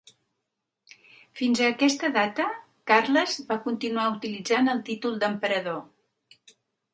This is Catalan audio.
Fins a aquesta data, Carles va continuar utilitzant el títol d'emperador.